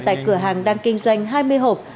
tại cửa hàng đang kinh doanh hai mươi hộp